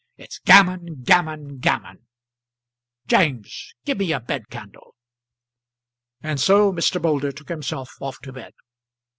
It's gammon, gammon, gammon! James, give me a bedcandle." And so Mr. Moulder took himself off to bed.